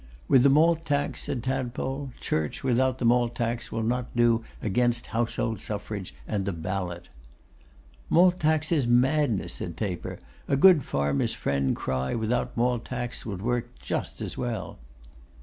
'With the Malt Tax,' said Tadpole. 'Church, without the Malt Tax, will not do against Household Suffrage and Ballot.' 'Malt Tax is madness,' said Taper. 'A good farmer's friend cry without Malt Tax would work just as well.